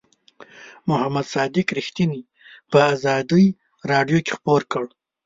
محمد صادق رښتیني په آزادۍ رادیو کې خپور کړ.